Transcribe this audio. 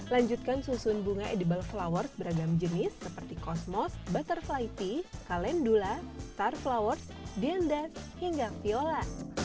lanjutkan susun bunga edible flowers beragam jenis seperti cosmos butterfly pea calendula star flowers dianthus hingga viola